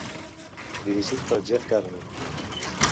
Dirigit per Jeff Carney.